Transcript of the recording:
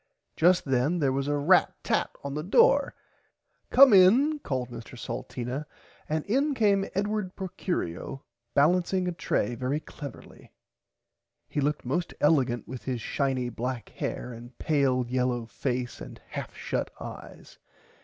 Just then there was rat tat on the door. Come in called Mr Salteena and in came Edward Procurio ballancing a tray very cleverly. He looked most elegant with his shiny black hair and pale yellow face and half shut eyes.